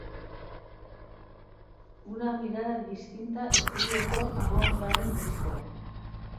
Una mirada distinta estudioko hamabosgarren diskoa.